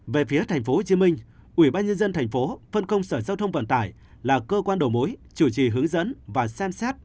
về phía tp hcm ubnd tp hcm là cơ quan đồ mối chủ trì hướng dẫn và xem xét